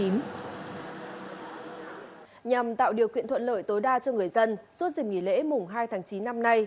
nhằm tạo điều kiện thuận lợi tối đa cho người dân suốt dịp nghỉ lễ mùng hai tháng chín năm nay